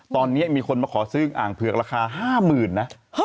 ตอนนี้มีคนมาขอซื้ออ่างเผือกราคา๕๐๐๐นะ